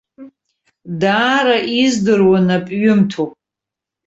Даара издыруа напҩымҭоуп!